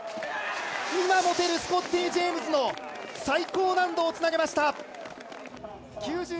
今持てるスコッティ・ジェームスの最高難度をつなげました。